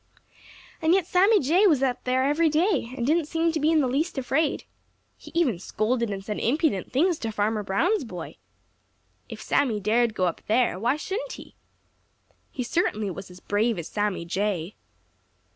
And yet Sammy Jay went up there every day and didn't seem to be in the least afraid. He even scolded and said impudent things to Farmer Brown's boy. If Sammy dared go up there, why shouldn't he? He certainly was as brave as Sammy Jay!